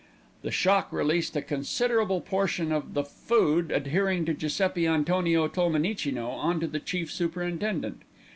The shock released a considerable portion of the food adhering to Giuseppi Antonio Tolmenicino on to the chief superintendent.